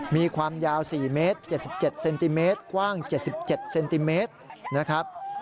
มีความยาว๔เมตร๗๗เซนติเมตรกว้าง๗๗เซนติเมตรนะครับ